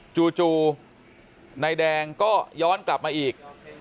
จู่นายแดงก็ย้อนกลับมาอีก